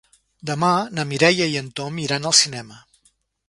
Demà na Mireia i en Tom iran al cinema.